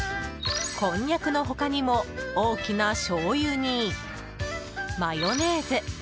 こんにゃくの他にも大きなしょうゆに、マヨネーズ。